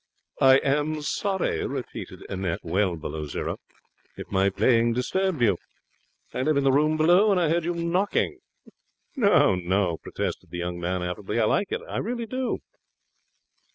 'I am sorry,' repeated Annette, well below zero, 'if my playing disturbed you. I live in the room below, and I heard you knocking.' 'No, no,' protested the young man, affably; 'I like it. Really I do.'